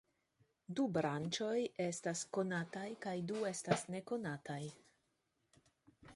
Du branĉoj estas konataj kaj du estas nekonataj.